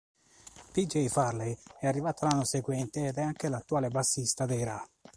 P. J. Farley è arrivato l'anno seguente ed è anche l'attuale bassista dei Ra.